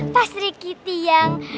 pastri kitty yang